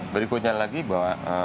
berikutnya lagi bahwa